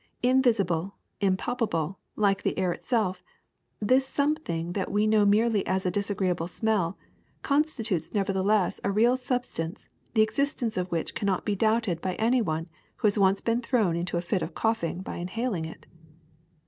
Invisible, impalpable, like the air itself, this something that we know merely as a disagreeable smell constitutes nevertheless a real substance the existence of which cannot be doubted by any one who has once been thro^\Ti into a fit of coughing by inlialing it.